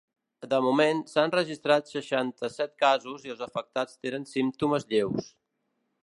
De moment, s’han registrat seixanta-set casos i els afectats tenen símptomes lleus.